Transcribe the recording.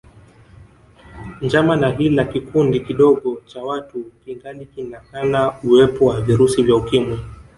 Njama na hila kikundi kidogo cha watu kingali kinakana uwep wa virusi vya Ukimwi